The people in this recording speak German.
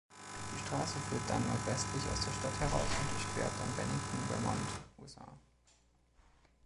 Die Straße führt dann nordwestlich aus der Stadt heraus und durchquert dann Bennington, Vermont (USA).